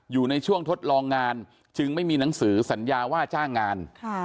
อยู่ในช่วงทดลองงานจึงไม่มีหนังสือสัญญาว่าจ้างงาน